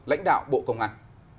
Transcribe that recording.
lãnh đạo bộ công an